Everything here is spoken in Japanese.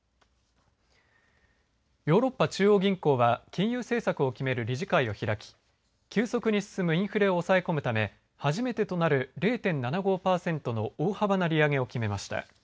ヨーロッパ中央銀行は金融政策を決める理事会を開き急速に進むインフレを抑え込むため初めてとなる０．７５パーセントの大幅な利上げを決めました。